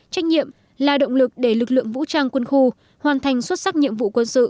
trách nhiệm là động lực để lực lượng vũ trang quân khu hoàn thành xuất sắc nhiệm vụ quân sự